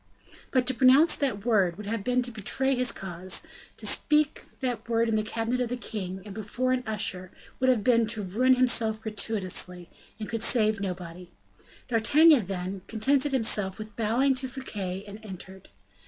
But to pronounce that word would have been to betray his cause; to speak that word in the cabinet of the king, and before an usher, would have been to ruin himself gratuitously, and could save nobody. D'Artagnan then, contented himself with bowing to Fouquet and entered.